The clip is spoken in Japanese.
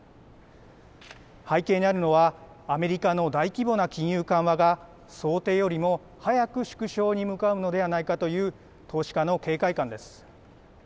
背景にあるのはアメリカの大規模な金融緩和が想定よりも早く縮小に向かうのではないかという投資家の警戒感です。